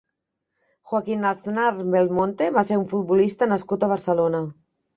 Joaquín Aznar Belmonte va ser un futbolista nascut a Barcelona.